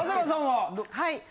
はい。